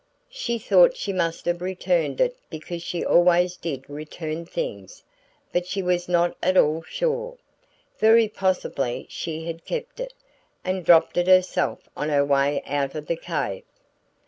She thought she must have returned it because she always did return things, but she was not at all sure. Very possibly she had kept it, and dropped it herself on her way out of the cave.